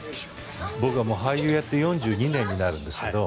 僕は俳優をやって４２年になるんですけど